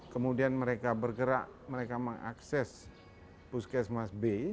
kemudian mereka bergerak mereka mengakses puskesmas b